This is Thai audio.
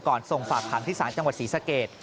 ก่อนส่งฝากผังที่สารจังหวัดศรีสะเกต